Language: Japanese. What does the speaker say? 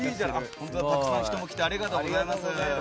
たくさん人も来てありがとうございます。